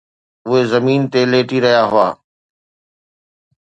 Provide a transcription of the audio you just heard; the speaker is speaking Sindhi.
اهي زمين تي ليٽي رهيا هئا.